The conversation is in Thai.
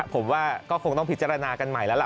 ผมว่าก็คงต้องพิจารณากันใหม่แล้วล่ะ